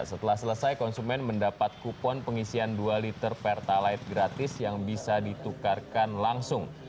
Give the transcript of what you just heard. setelah selesai konsumen mendapat kupon pengisian dua liter pertalite gratis yang bisa ditukarkan langsung